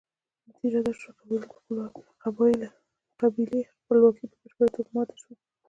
نتیجه دا شوه چې قبایلي خپلواکي په بشپړه توګه ماته شوه.